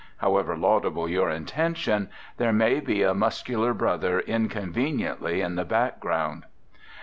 However laudable your intention, there may be a muscular brother inconveniently in the background.